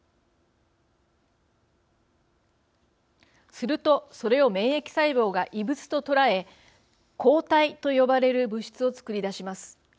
すると、それを免疫細胞が異物と捉え抗体と呼ばれる物質を作り出します。